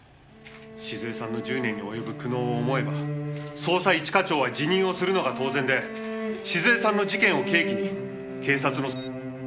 「静江さんの１０年に及ぶ苦悩を思えば捜査一課長は辞任をするのが当然で静江さんの事件を契機に警察の」